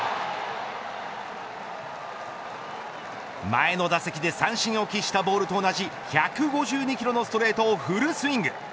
前の打席で三振を喫したボールと同じ１５２キロのストレートをフルスイング。